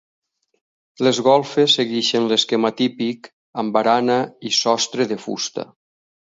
Les golfes segueixen l'esquema típic amb barana i sostre de fusta.